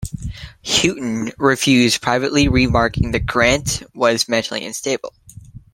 Houghton refused, privately remarking that Grant was mentally unstable.